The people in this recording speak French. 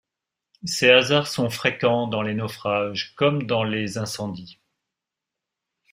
Ces hasards sont fréquents dans les naufrages comme dans les incendies.